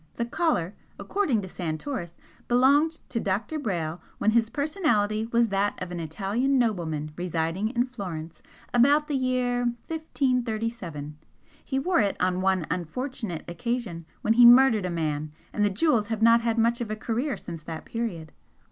The collar according to Santoris belonged to Dr. Brayle when his personality was that of an Italian nobleman residing in Florence about the year 1537 he wore it on one unfortunate occasion when he murdered a man, and the jewels have not had much of a career since that period.